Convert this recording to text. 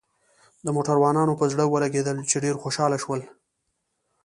د موټروانانو په زړه ولګېدل، چې ډېر خوشاله شول.